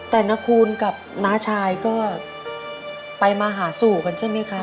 แต่นักคุณกับน้าชายก็ไปมาหาสู้กันใช่มั้ยครับ